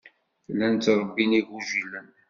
Llan ttṛebbin igujilen.